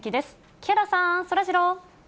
木原さん、そらジロー。